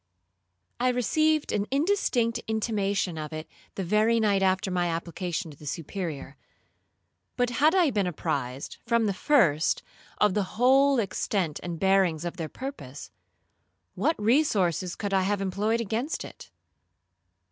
I received an indistinct intimation of it the very night after my application to the Superior; but had I been apprised, from the first, of the whole extent and bearings of their purpose, what resources could I have employed against it?